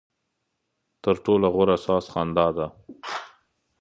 ترټولو غوره ساز خندا ده.